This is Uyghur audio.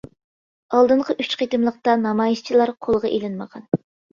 ئالدىنقى ئۈچ قېتىملىقتا نامايىشچىلار قولغا ئېلىنمىغان.